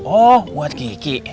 oh buat kiki